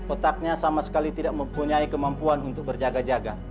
otaknya sama sekali tidak mempunyai kemampuan untuk berjaga jaga